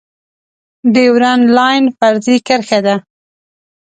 ډیورنډ لاین فرضي کرښه ده